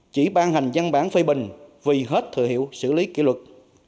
chỉ ban hành văn bản phê bình vì hết thời hiệu xử lý kỷ luật